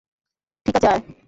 ঠিক আছে, আয়।